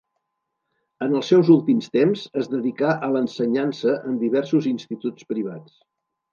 En els seus últims temps es dedicà a l'ensenyança en diversos instituts privats.